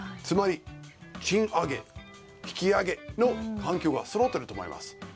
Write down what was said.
つまり、賃上げ引き上げの環境がそろってると思います。